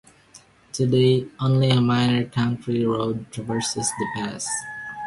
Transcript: Today only a minor country road traverses the pass.